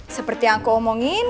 seperti yang aku omongin